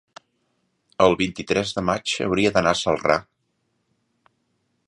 el vint-i-tres de maig hauria d'anar a Celrà.